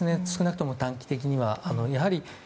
少なくとも短期的には。